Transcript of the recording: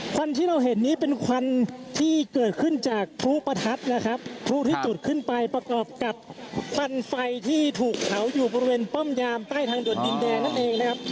ควันที่เราเห็นนี้เป็นควันที่เกิดขึ้นจากพลุประทัดนะครับพลุที่จุดขึ้นไปประกอบกับควันไฟที่ถูกเผาอยู่บริเวณป้อมยามใต้ทางด่วนดินแดงนั่นเองนะครับ